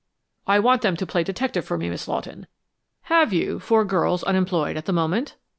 "I want them to play detective for me, Miss Lawton. Have you four girls unemployed at the moment?